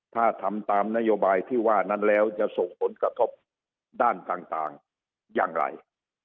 ถ้าทำตามนโยบายที่ว่านั้นแล้วจะส่งผลกระทบด้านต่างอย่างไร